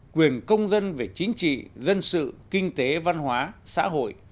quyền công dân về chính trị dân sự kinh tế văn hóa xã hội